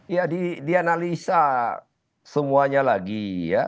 ya dianalisa semuanya lagi ya